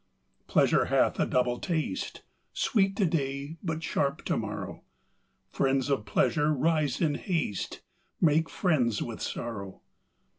Pleasure hath a double taste, Sweet to day, but sharp to morrow: Friends of pleasure, rise in haste, Make friends with sorrow.